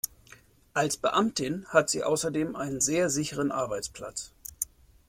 Als Beamtin hat sie außerdem einen sehr sicheren Arbeitsplatz.